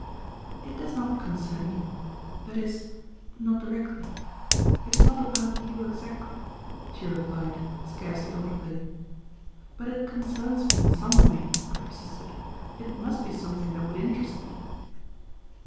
"It does not concern you that is, not directly. It is not about you exactly," she replied, scarcely audibly. "But it concerns me in some way," I persisted. "It must be something that would interest me."